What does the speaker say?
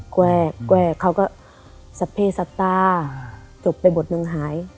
แกรกเขาก็ศพพิษศัตริย์จบไปบทหนึ่งหาย